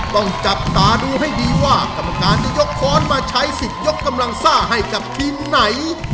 ต้องจับตาดูให้ดีว่ากรรมการจะยกค้อนมาใช้สิทธิ์ยกกำลังซ่าให้กับทีมไหน